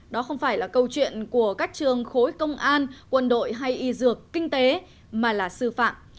đó không phải là câu chuyện của các trường khối công an quân đội hay y dược kinh tế mà là sư phạm